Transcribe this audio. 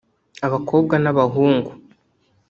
abakobwa n’abahungu